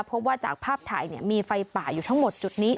พบว่าจากภาพถ่ายมีไฟป่าอยู่ทั้งหมดจุดนี้